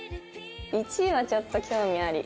１位はちょっと興味あり。